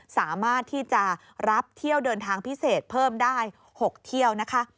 สามารถที่จะรับเที่ยวเดินทางพิเศษเพิ่มได้๖เที่ยวนะคะ